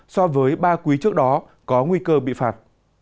so với ba quý trước đó có nguy cơ bị phạt